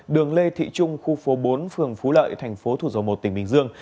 đường lê thị trung khu phố bốn phường phú lợi thành phố thủ dầu một tỉnh bình dương